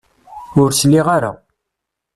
Ur sliɣ ara.